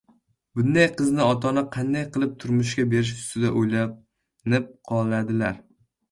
bunday qizni ota-ona qanday qilib turmushga berish ustida o‘ylanib qoladilar.